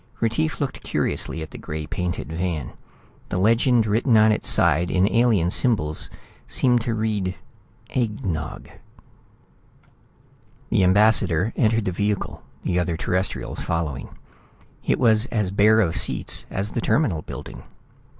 Retief looked curiously at the gray painted van. The legend written on its side in alien symbols seemed to read "egg nog." The ambassador entered the vehicle, the other Terrestrials following. It was as bare of seats as the Terminal building.